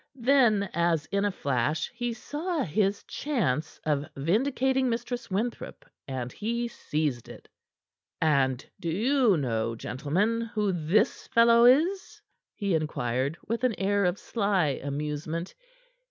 Then, as in a flash, he saw his chance of vindicating Mistress Winthrop, and he seized it. "And do you know, gentlemen, who this fellow is?" he inquired, with an air of sly amusement.